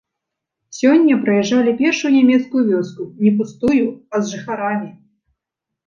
Сёння праязджалі першую нямецкую вёску не пустую, а з жыхарамі.